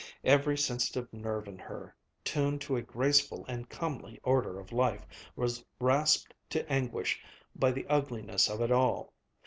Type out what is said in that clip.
Every sensitive nerve in her, tuned to a graceful and comely order of life, was rasped to anguish by the ugliness of it all.